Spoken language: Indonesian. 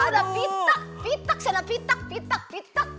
aduh ada pitek pitek saya ada pitek pitek pitek